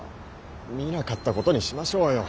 見なかったことにしましょうよ。